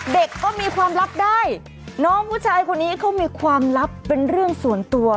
เด็กก็มีความลับได้น้องผู้ชายคนนี้เขามีความลับเป็นเรื่องส่วนตัว